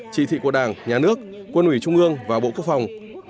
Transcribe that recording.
chỉ thị của đảng nhà nước quân ủy trung ương và bộ quốc phòng